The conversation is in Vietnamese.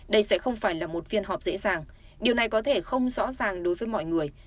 đây sẽ không phải là một phiên họp dễ dàng điều này có thể không rõ ràng đối với mọi người